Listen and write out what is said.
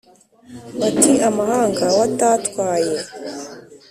bati : amahanga watatwaye